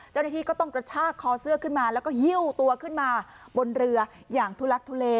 เจ้าหน้าที่ก็ต้องกระชากคอเสื้อขึ้นมาแล้วก็หิ้วตัวขึ้นมาบนเรืออย่างทุลักทุเล